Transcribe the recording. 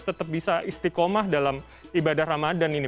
tetap bisa istiqomah dalam ibadah ramadan ini